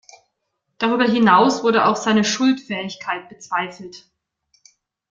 Darüber hinaus wurde auch seine Schuldfähigkeit bezweifelt.